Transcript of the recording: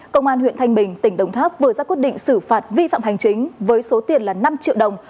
công an huyện thanh bình tỉnh đồng tháp vừa ra quyết định xử phạt vi phạm hành chính với số tiền là năm triệu đồng